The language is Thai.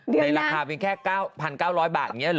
เดี๋ยวนั้นในราคาเพียงแค่๑๙๐๐บาทอย่างนี้เหรอ